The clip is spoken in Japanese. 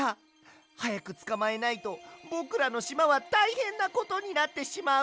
はやくつかまえないとぼくらのしまはたいへんなことになってしまう。